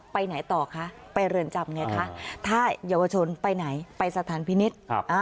ไปไหนต่อคะไปเรือนจำไงคะถ้าเยาวชนไปไหนไปสถานพินิษฐ์